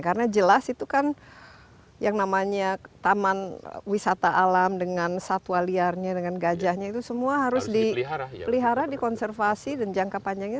karena jelas itu kan yang namanya taman wisata alam dengan satwa liarnya dengan gajahnya itu semua harus dipelihara dikonservasi dan jangka panjangnya